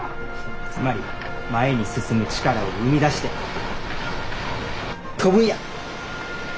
つまり前に進む力を生み出して飛ぶんや！